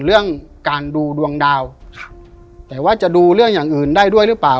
เรื่องการดูดวงดาวครับแต่ว่าจะดูเรื่องอย่างอื่นได้ด้วยหรือเปล่า